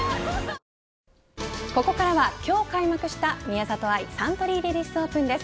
ここからは今日開幕した宮里藍サントリーレディスオープンです。